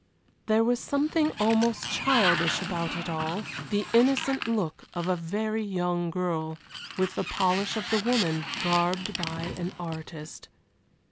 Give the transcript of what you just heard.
There was something almost childish about it all; the innocent look of a very young girl, with the polish of the woman, garbed by an artist.